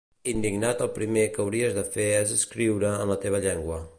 Indignat el primer que hauries de fer és escriure en la teva llengua.